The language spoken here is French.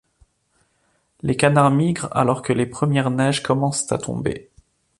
Les canards migrent alors que les premières neiges commencent à tomber.